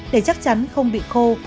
để chắc chắn không bị khô